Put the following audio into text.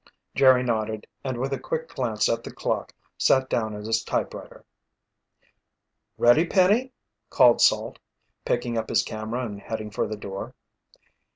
Jerry nodded and with a quick glance at the clock, sat down at his typewriter. "Ready, Penny?" called Salt, picking up his camera and heading for the door.